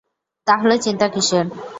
তাহলে চিন্তা কীসের?